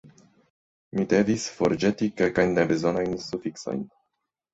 Mi devis forĵeti kelkajn nebezonajn sufiksojn.